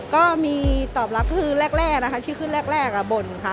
ก็มีตอบรับคือแรกนะคะชื่อขึ้นแรกบ่นค่ะ